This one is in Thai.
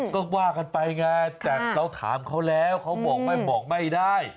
ก็ว่ากันไปไงแต่เราถามเขาแล้วเขาบอกไม่บอกไม่ได้